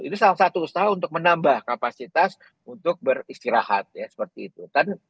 itu salah satu usaha untuk menambah kapasitas untuk beristirahat ya seperti itu